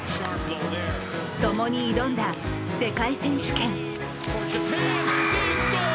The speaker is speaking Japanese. ともに挑んだ世界選手権。